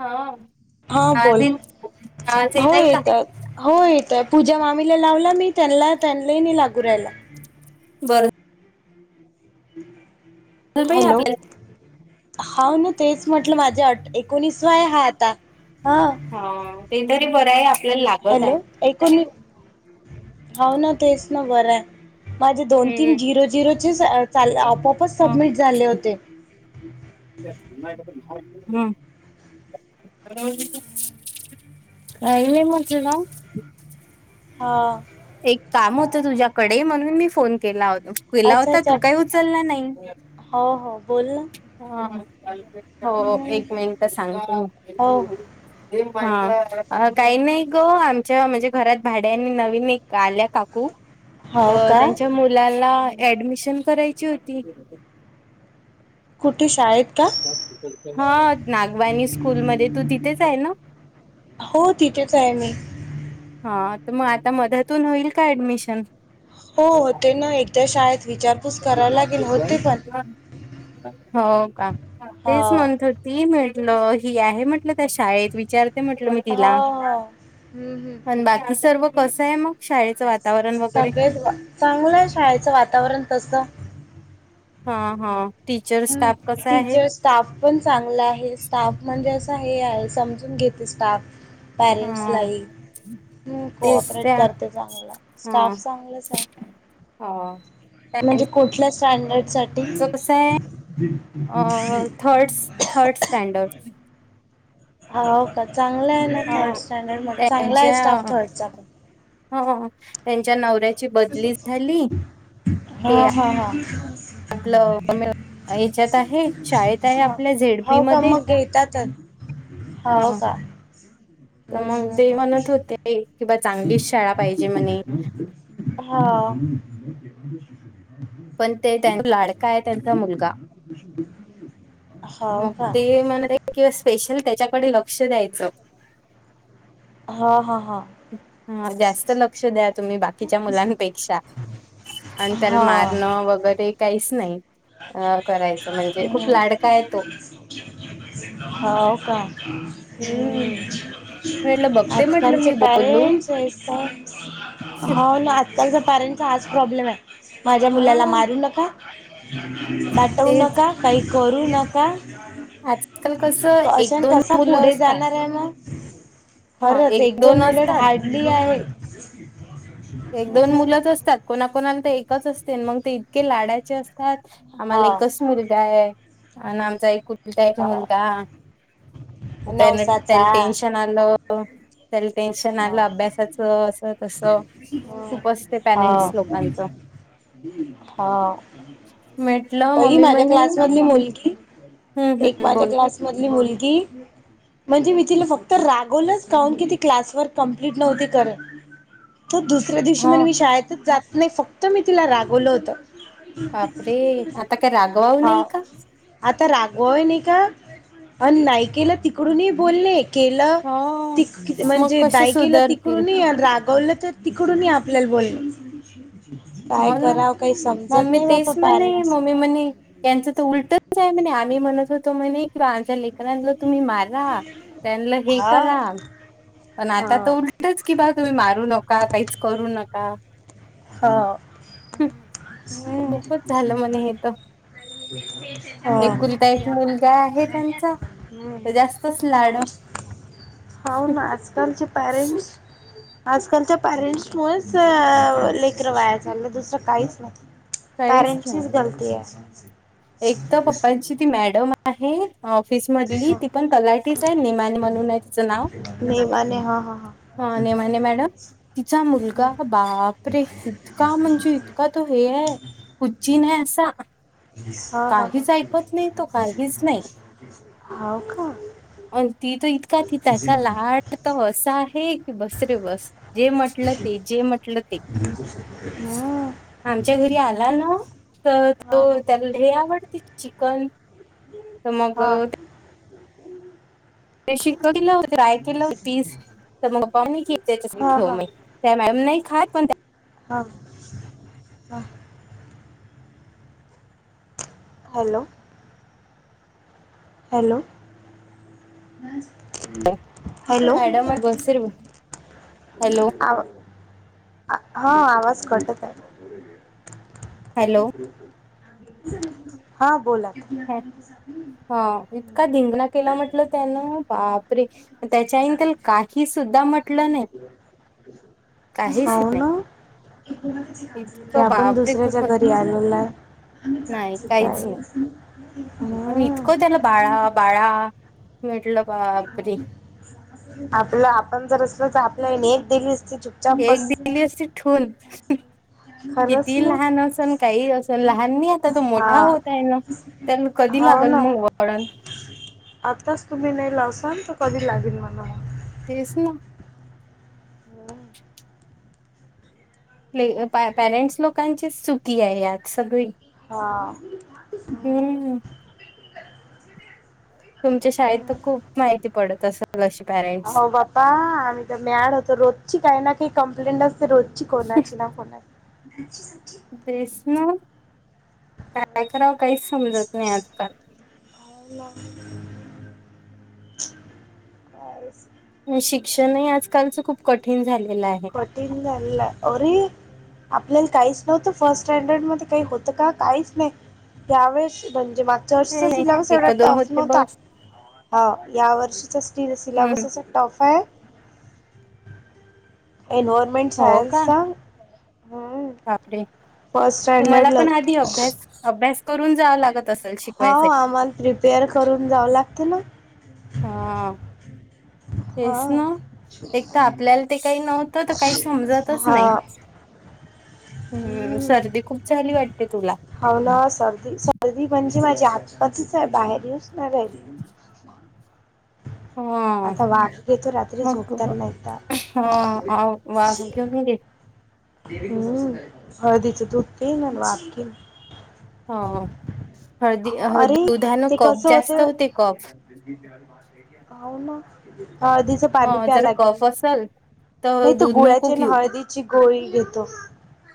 हा हा बोल आज आज हो येतय का. येतात हो येतंय पूजा मामीला लावला मी त्यांना त्यांला नाही लागू राहिला. बरं. हम्. आपल्या हा ना तेच म्हटलं माझ्या अ एकोणीसवा आहे हा आता ह. हा ते तरी बरं आहे आपल्याला लागत आहे. ऐकोण होव ना तेच ना बरं आहे. माझे दोन तीन हम्म. झिरो झिरो चे आपआपच हम्म सबमिट झाले होते. [inaudible] [inaudible] हां एक काम होतं तुझ्याकडे म्हणून मी फोन केला होतो. केेला अच्छा होता अच्छा तू काही उचलला नाही. हो हो बोल ना हा हो हम्म एक मिनिट सांगते. हो हो ह काही नाही ग आमच्या म्हणजे घरात भाड्या आणि नवीन एक. आल्या काकू हो तर का त्यांच्या मुलाला. ऍडमिशन करायची होती. कुठे शाळेत. का हा नागवानी स्कूल मध्ये तू तिथेच आहे ना. हो तिथेच आहे मी हा तर मग आता मध्यातून होईल का ऍडमिशन हो होते ना एकदा शाळेत विचारपूस करावी लागेल होते पण हो का हा तेच म्हंथ ती म्हटलं ही आहे म्हटलं त्या शाळेत विचारते म्हटलं मी हा हा हम्म हम्म त बाकी सर्व कस आहे मग शाळेच सगळे चांगलं आहे शाळेचं वातावरण तस हा हा टीचर हम् स्टाफ कसा आहे? टीचर्स स्टाफ पण चांगला आहे स्टाफ म्हणजे असं हे आहे समजून घेते स्टाफ हा पॅरेंट्सलाही तेच कोऑपरेट त्या करते चांगलं हा स्टाफ चांगलंच आहे हा म्हणजे त्यांचं कुठल्या स्टँडर्ड साठी थर्डस थर्डस स्टँडर्ड ह हो का चांगलं आहे ना हा थर्ड स्टँडर्ड म चांगला आहे त्यांच्या स्टाफ थर्डचा हो त्यांच्या नवऱ्या हा ते हा हा आपलं हच्यात आहे शाळेत आहे आपल्या झेडपी मध्ये पतात हाव हा का तर मग ते म्हणत ह होते कि बा ह चांगलीच शाळा पाहिजे म्हणे ह न हा पण ते त्यां लाडका आहे त्यांचा मुलगा ह मग ते मला किंवा स्पेशल त्याच्याकडे लक्ष द्यायचं हा हा हां ह जास्त लक्ष द्या तुम्ही बाकीच्या मुलांपेक्षा आणि त्याला हा मारणं वगैरे काहीच नाही अ करायचं ह म्हणजे खूप लाडका आहे तो हाव का हम्म म्हटलं बघते म्हटलं आजकालचे मी पॅ बोलून फ्रेंड्स वेलकम हाव ना आजकालचा पॅरेंट्चा हाच प्रॉब्लेम आहे माझ्या मुलाला हा मारू नका दटवू तेच नका. काही करू नका आजकाल कसं तो एक अशन दोन कसा मुलं पुढे असतात जाणार आहे ना खरंच एक दोन मिनिट हार्डली आहे एक दोन मुलंच हम्म असतात कोणाकणाला तर एकच असते मग ते इतके लाडायचे असतात हा आम्हाला एकच मुलगा आहे आणि आमचा एक कु य काल हा का नवसाचा टेनशन लं त्या टेन्शन हा आलं अभ्यासाच अस तस हा हा म्हटलं पई मम्मी माझ्या म्हणे क्लास मधली मुलगी हम्म हम्म बोल. मधली मुलगी, म्हणजे मी तिला फक्त रागावलस काहून की ती क्लास कप्लीट न्हवती करत. मग दुसऱ्या दिवशी हा म्हने मी शाळेत जात नाही फक्त तर मी तिला रागवलं होतं. बापरे! आता काय रागवाव हा नाही का? आता रागवाय नाही का? अन नायकेला तिकडूनही बोलणे. केलं. हो ती की मग -म्हणजे कसे दाय केल सुधरतील तिकडून ही रागवलं तर तिकडून ही आपल्याला बोलणच. हो काय ना कराव काय समजत नाही बापा पॅरेंट्सच. [unintelligible] त्यांचं तर उलटच आहे म्हणे, आम्ही म्हणत होतो म्हणे क आमच्या लेख लेकरांना तुम्ही मारा, त्यांनला हे हा करा पण आता तर हा उलटच की बा, तुम्ही मारू नका काहीच करू नका. हा, हम्म. खूपच झालं म्हणे हे तर ह, एकुलता एक मुलगा आहे त्यांचा तर जास्तच हो. लाड हाव ना, आजकालचे पॅरेंट्स. आजकालच्या पॅरेंट्स मुळेच चित्र वाया चाललं, दुसरं काहीच नाही पॅरेंट्चीच गलती आहे. एकदा पप्पांची ती मॅडम आहे ऑफिस मधली. हो ती पण तलाठीचाय निमानि म्हणून हाय तिचं नाव. निमाणी हा हा हा. ह नेमाने मॅडम. तिचा मुलगा बापरे! इतका म्हणजे अका तू हे हाय. [unintelligible] असा. ह काहीच ह. ऐकत नाही तो काहीच नाही हाव का? अ ती त इतका ती त्याचा लाट तर असा आहे, की बसरे बस. जे म्हटलं ते, जे म्हटलं ते. आमच्या घरी आला ना हो. तर तो त्याला हे आवडते, चिकन तर मग हा ते शिकविल ट्राय केलं हो पीस. तर मग पाह की त्याच्या हा ठेव हा मग. त्या मॅडम नाही खात पण हा हा. हॅलो! हॅलो! बस हम. मॅडम मग [unintelligible] आवा हा आवाज कट होत आहे. हॅलो हा, बोला. हा इतका धिंगणा केला म्हटलं त्यानं बापरे! त्याच्या आई त्याला काही सुद्धा म्हट काहीच हाव नाही ना, ते इतकं आपण बापरे दुसऱ्याच्या खूपच घरी आलेलो आहे. काहीच नाही. आणि इतकं त्याला बाळा बाळा म्हटलं बापरे! आपलं आपण जर असल तर, आपल्या एक दिली असती चुपचाप एक बस दिली असती ठेवून. खरंच किती ना लहान असन काही असन लहान नाही आता तो, मोठा होत हा आहे ना. त्यांना कधी हो लागल ना मग वळण? आताच तुम्ही नाही लावसाल तर, कधी लागेल म हा. तेच ना. हो ना, आपले पॅरेंट्स लोकांचीच चुकी आहे यात सगळी. हा हम्म त तुमच्या शाळेत तर खूप माहिती पडत असं लशी पॅ हो बापा आम्ही तर म्याड होतो रोजची काही ना काही कंमप्लेंट अस रोजची कोणाची ना कोणाची बसन कायकराव काहीच समजत नाही आजकाल ह ना शिक्षणही आजकालचं खूप कठीण झालेलं आहे प्रोटीन रे आपल्याला काहीच नव्हतं फर्स्ट स्टँडर्ड मध्ये काही होतं काहीच नाही त्यावेेळेस म्हणजे मागच्यार्षच असिल्यामुळे एवढ एक दोन टफ होते नव्हता बस ह या वर्षीचा्ट हम्म सिलेबस असा टॉफ आहे एनवायर्मेंट सायनसचा पडे फर्स्ट तुम्हाला स्टँडर्डला पण आधी अभ्यास अभ्यास करून जावं लागत असेल शिकवायसाठी मंत्री पेअर करून जावं लागते ना हा हा हेच ना एक तर आपल्याला ते काही नव्हत तर तर काही समजतच नाही हा हम्म सर्दी खूप झाली वाटते तुला हो ना सर्दी सर्दी म्हणजे माझी आतपातीच आहे बाहेर येऊचणार राहिली हा आता वाघ घेतो रात्री मग झोपता नाहीता हा आ वास घेन र हम्म हळदीचं दूध के वाप हो हळदी अरे दुधानं ते कफ कसं जास्त होते कफ ना हदी त पाणी हा प्या जर लागेल कफ नाही असल नाही तर दूध नको गुळ्याच्या घेऊ हळदीची गोळी घेतो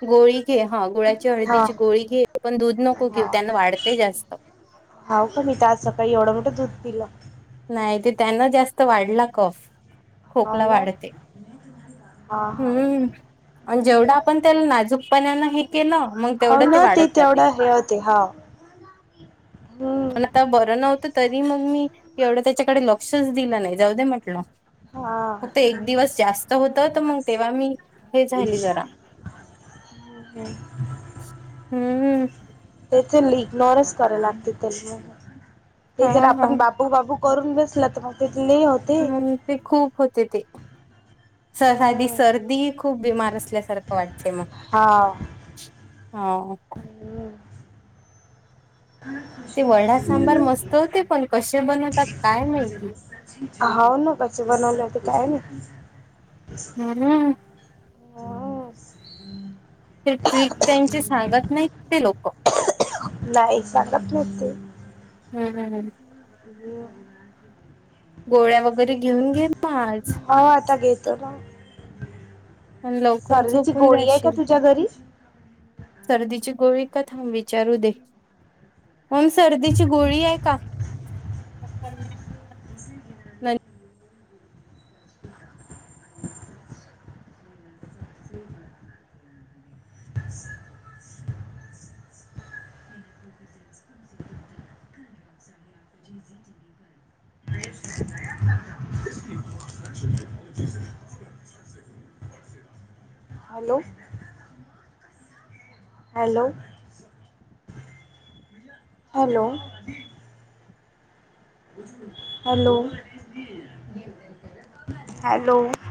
गोळी घे हा गुळाची हा हळदीची गोळी घे पण दूध नको घेऊ त्यांना वाढते जास्त होा का मी तर आज सकाळी एवढं मोठं दूध पिलं नाही ते त्यांना जास्त वाढला कफ खोकला वाढते ह हा त्या नाजूकपणान हे केलं मग हाव तेवढं ते ना वाढत जाते तेवढं हे होते हा मण आता बरं नव्हतं तरी मग मी एवढं त्याच्याकडे लक्षच दिलं नाही जाऊ देे म्हटलं हा फक्त एक दिवस जास्त होत तर मग तेव्हा मी हे झाली जरा हम्म ह तेथ इग्नोरच करायला लागते त्यां ते हा ज हा आपण बा बाबू करून बेसला तर मग तिथ ल होत ह ते खूप होते ते स आधी हम्म सर्दी खूप बीमार असल्यासारखं वाटतेंय मग हा ह हम्म ते वडा सांबार मस्त होते पण कसे बनवतात काय माहिती हा न कस बनवल होत काय न ह हम्म ते ट्रिक त्यांची सांगत नाही ते लोक नाही सांगत होते हम् हम हम जे गोळ्या वगैरे घेऊन घे माज हो आता घेतो म आणि लवकर सर्दीची झोपून गोळी आहे का जाशील. तुझ्या घरी सर्दीची गोळी का थांब विचारू दे होम सर्दीची गोळी आहे का? Hello hello hello hello hello